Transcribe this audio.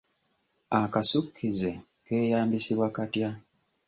Akasukkize keeyambisibwa katya?